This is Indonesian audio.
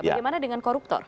bagaimana dengan koruptor